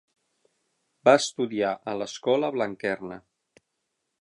Va estudiar a l'Escola Blanquerna.